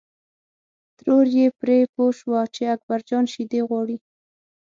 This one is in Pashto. ترور یې پرې پوه شوه چې اکبر جان شیدې غواړي.